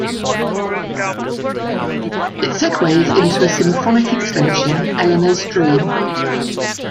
It segues into a symphonic extension, Eleanor's Dream.